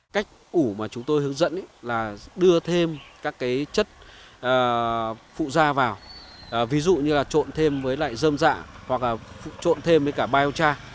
cách ủ mà chúng tôi hướng dẫn là đưa thêm các chất phụ da vào ví dụ như trộn thêm với dơm dạ hoặc trộn thêm với cả biochar